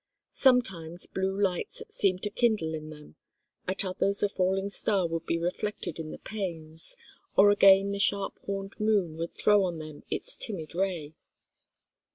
Sometimes blue lights seemed to kindle in them, at others a falling star would be reflected in the panes, or again the sharp horned moon would throw on them its timid ray.